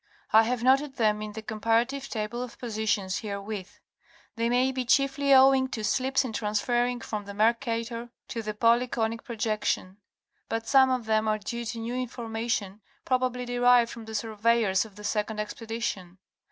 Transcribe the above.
I have noted them in the comparative table of positions herewith. They may be chiefly owing to slips in transferring from the Mercator to the Polyconic projection ; but some of them are due to new information, probably derived from the surveyors of the second 'expedition.